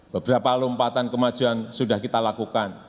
beberapa lompatan kemajuan sudah kita lakukan